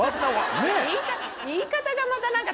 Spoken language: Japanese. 言い方がまた何か。